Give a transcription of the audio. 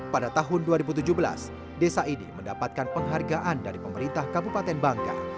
pada tahun dua ribu tujuh belas desa ini mendapatkan penghargaan dari pemerintah kabupaten bangka